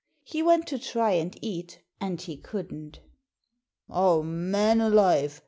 He went to try and eat, and he couldn'. 'Aw, man alive!